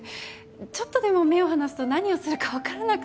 ちょっとでも目を離すと何をするかわからなくて。